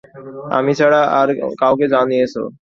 আমি ছাড়া আর কাউকে জানিয়েছ?